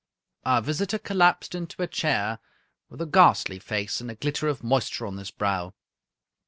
Our visitor collapsed into a chair, with a ghastly face, and a glitter of moisture on his brow.